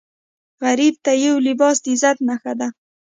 غریب ته یو لباس د عزت نښه ده